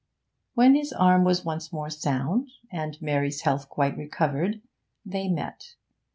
When his arm was once more sound, and Mary's health quite recovered, they met.